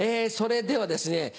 それではですね